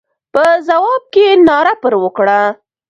په ځواب کې ناره پر وکړه.